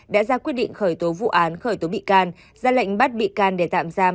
đã ra quyết định khởi tố vụ án khởi tố bị can ra lệnh bắt bị can để tạm giam